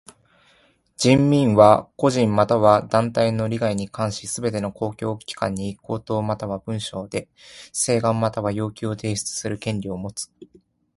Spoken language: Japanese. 人民は個人または団体の利害に関しすべての公共機関に口頭または文書で請願または要求を提出する権利をもつ。